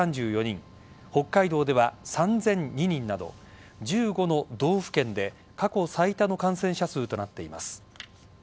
北海道では３００２人など１５の道府県で過去最多の感染者数となっています。